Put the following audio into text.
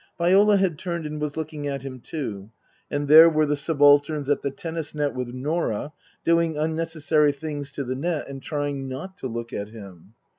Viola had turned and was looking at him too. And there were the subalterns at the tennis net with Norah, doing unnecessary things to the net and trying not to look at him.